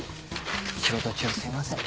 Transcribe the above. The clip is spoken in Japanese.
仕事中すいません。